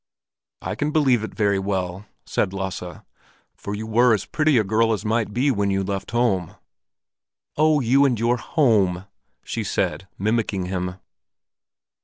"I can believe it very well," said Lasse. "For you were as pretty a girl as might be when you left home." "Oh, you and your 'home'," she said, mimicking him.